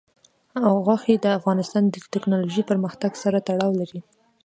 غوښې د افغانستان د تکنالوژۍ پرمختګ سره تړاو لري.